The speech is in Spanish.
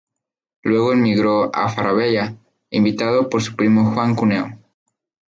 Luego emigró a Falabella, invitado por su primo Juan Cuneo.